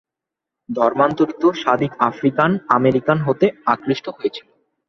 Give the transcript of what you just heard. ধর্মান্তরিত Sadiq African American হতে আকৃষ্ট হয়েছিল।